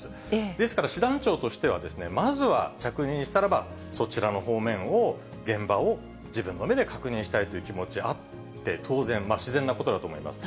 ですから師団長としては、まずは着任したらば、そちらの方面を現場を自分の目で確認したいという気持ちがあって当然、自然なことだと思います。